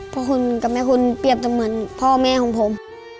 เพราะคุณกับแม่คุณเปรียบจะเหมือนพ่อแม่ของผม